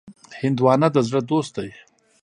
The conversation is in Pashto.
هندوانه د زړه دوست دی.